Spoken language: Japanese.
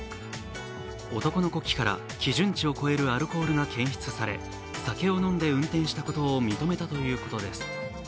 男の呼気から基準値を超えるアルコールが検出され、酒を飲んで運転したことを認めたということです。